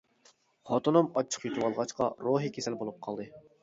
خوتۇنۇم ئاچچىق يۇتۇۋالغاچقا روھىي كېسەل بولۇپ قالدى.